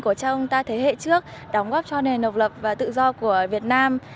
của cha ông ta thế hệ trước đóng góp cho nền độc lập và tự do của việt nam